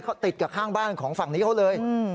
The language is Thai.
เขาติดกับข้างบ้านของฝั่งนี้เขาเลย